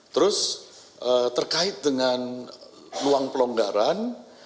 terus terkait dengan ruang pelonggaran